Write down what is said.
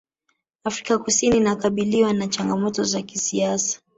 afrika kusini inakabiliwa na changamoto za kisiasa